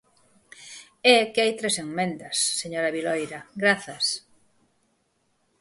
É que hai tres emendas, señora Viloira, grazas.